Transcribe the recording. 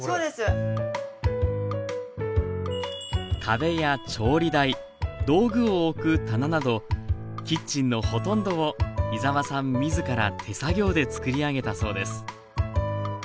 壁や調理台道具を置く棚などキッチンのほとんどを井澤さん自ら手作業でつくり上げたそうです。